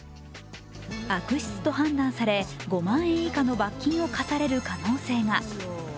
悪質と判断され、５万円以下の罰金を科される可能性が。